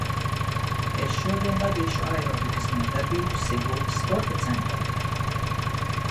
Es šodien vadīšu aerobikas nodarbību Siguldas sporta centrā.